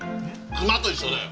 クマと一緒だよ。